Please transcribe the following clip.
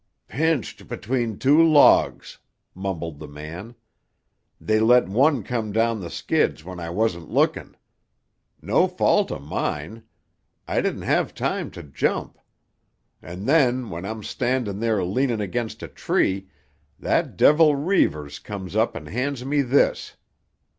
"Pinched between two logs," mumbled the man. "They let one come down the skids when I wasn't lookin'. No fault of mine; I didn't have time to jump. And then, when I'm standin' there leanin' against a tree, that devil Reivers comes up and hands me this."